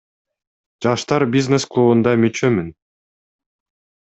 Жаштар бизнес клубунда мүчөмүн.